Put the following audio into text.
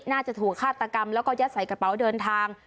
น่าจะถูกฆาตกรรมแล้วก็ยัดใส่กระเป๋าเดินทาง